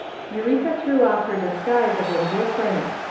Eureka threw off her disguise of indifference.